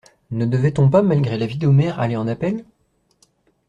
Ne devait-on pas malgré l'avis d'Omer, aller en appel?